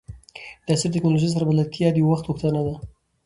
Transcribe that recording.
د عصري ټکنالوژۍ سره بلدتیا د وخت غوښتنه ده.